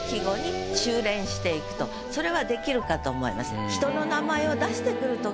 それはできるかと思います。